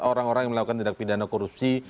orang orang yang melakukan tindak pidana korupsi